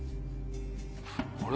あれ？